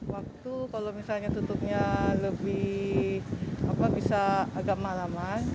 waktu kalau misalnya tutupnya lebih bisa agak malaman